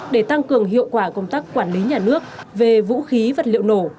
để tăng cường hiệu quả công tác quản lý nhà nước về vũ khí vật liệu nổ